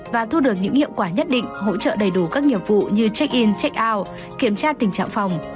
và thu được những hiệu quả nhất định hỗ trợ đầy đủ các nghiệp vụ như check in check oun kiểm tra tình trạng phòng